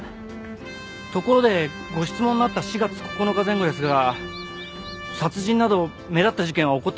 ところでご質問のあった４月９日前後ですが殺人など目立った事件は起こっておりません。